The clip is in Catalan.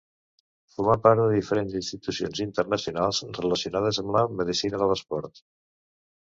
Formà part de diferents institucions internacionals relacionades amb la medicina de l’esport.